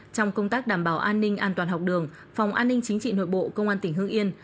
trong công tác đảm bảo an ninh an toàn học đường phòng an ninh chính trị nội bộ công an tỉnh hương yên